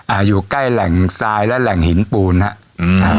อยู่ใกล้แหล่งทรายและแหล่งหินปูนฮะอืมอ่า